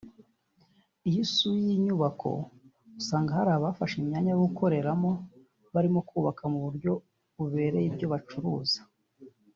Iyo usuye iyi nyubako usanga hari abafashe imyanya yo gukoreramo barimo kubaka mu buryo bubereye ibyo bacuruza